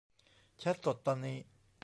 แชตสดตอนนี้